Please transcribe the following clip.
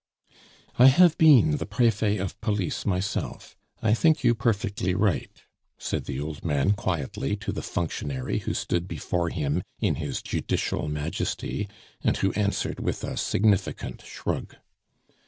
"I have been the Prefet of Police myself; I think you perfectly right," said the old man quietly to the functionary who stood before him in his judicial majesty, and who answered with a significant shrug.